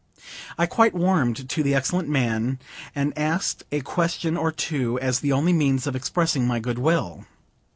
I quite warmed to the excellent man, and asked a question or two, as the only means of expressing my good will.